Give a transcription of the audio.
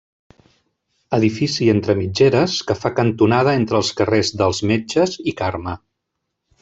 Edifici entre mitgeres, que fa cantonada entre els carrers dels metges i Carme.